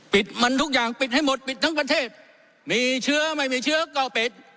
ปิดมันทุกอย่างปิดให้หมดปิดทั้งประเทศมีเชื้อไม่มีเชื้อก็ปิด